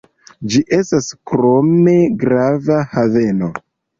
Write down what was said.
Ĝi estas krome grava haveno.